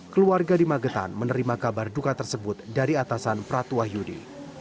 keluarga di magetan menerima kabar duka tersebut dari atasan pratu wahyudi